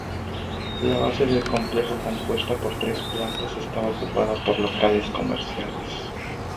La base del complejo, compuesta por tres plantas, estaba ocupada por locales comerciales.